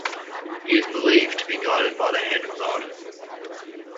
He is believed to be guided by the hand of God.